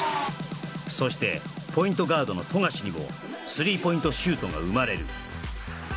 そしてポイントガードの富樫にも３ポイントシュートが生まれる